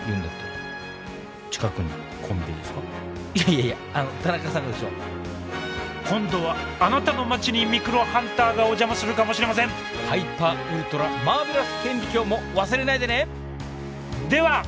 いやいや田中さんがですよ。今度はあなたの町にミクロハンターがお邪魔するかもしれませんハイパーウルトラマーベラス顕微鏡も忘れないでねでは。